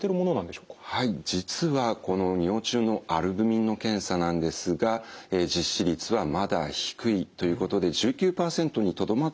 実はこの尿中のアルブミンの検査なんですが実施率はまだ低いということで１９％にとどまっているというデータもあります。